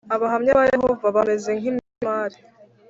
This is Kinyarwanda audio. Abahamya ba Yehova bameze nk’imisumari